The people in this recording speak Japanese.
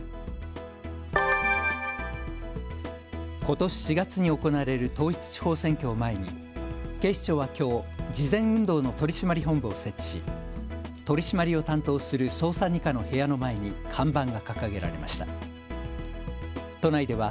ことし４月に行われる統一地方選挙を前に警視庁はきょう、事前運動の取締本部を設置し取締りを担当する捜査２課の部屋の前に看板が掲げられました。